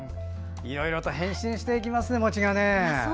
いろいろと変身していきますね、餅が。